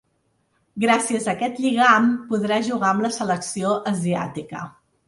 Gràcies a aquest lligam, podrà jugar amb la selecció asiàtica.